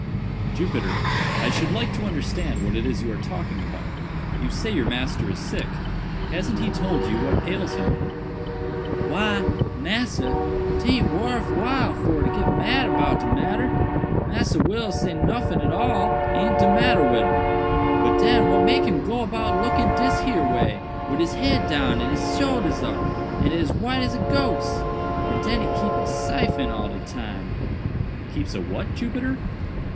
"Jupiter, I should like to understand what it is you are talking about. You say your master is sick. Hasn't he told you what ails him?" "Why, massa, 'taint worf while for to git mad about de matter—Massa Will say noffin at all aint de matter wid him—but den what make him go about looking dis here way, wid he head down and he soldiers up, and as white as a gose? And den he keep a syphon all de time—" "Keeps a what, Jupiter?"